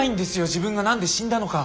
自分が何で死んだのか。